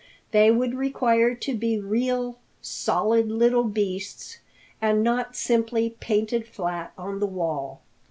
They would require to be real, solid little beasts, and not simply painted flat on the wall.